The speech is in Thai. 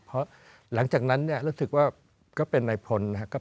เพราะหลังจากนั้นรู้สึกว่าก็เป็นในผลนะครับ